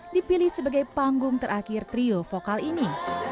dipilih sebagai panggung terakhir trio vokal ini